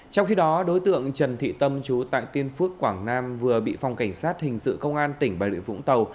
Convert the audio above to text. trong khi đó đối tượng trần thị tâm chú tại tiên phước quảng nam vừa bị phòng cảnh sát hình sự công an tỉnh bà rịa vũng tàu